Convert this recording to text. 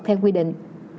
theo quy định